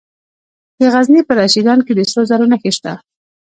د غزني په رشیدان کې د سرو زرو نښې شته.